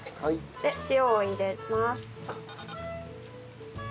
で塩を入れます。